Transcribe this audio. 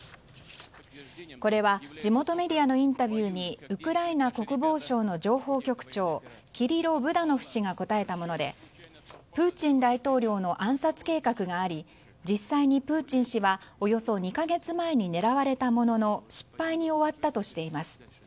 これは地元メディアのインタビューにウクライナ国防省の情報局長キリロ・ブダノフ氏が答えたものでプーチン大統領の暗殺計画があり実際にプーチン氏はおよそ２か月前に狙われたものの失敗に終わったとしています。